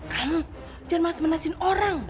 kamu jangan maksud maksudin orang